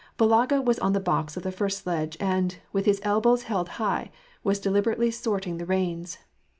Balaga was on the box of the first sledge and, with his elbows held high, was deliberately sorting the reins.